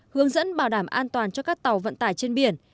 hướng dẫn bảo đảm an toàn cho các tàu vận tải trên biển